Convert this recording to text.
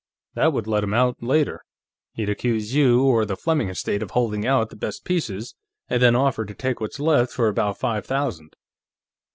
"That would let him out, later. He'd accuse you or the Fleming estate of holding out the best pieces, and then offer to take what's left for about five thousand."